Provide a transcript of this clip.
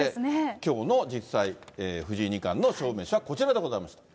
きょうの実際、藤井二冠の勝負メシはこちらでございました。